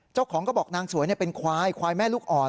เจ้าของก็บอกนางสวยเป็นควายควายแม่ลูกอ่อน